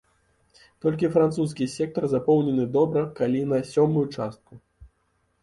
Толькі французскі сектар запоўнены добра калі на сёмую частку.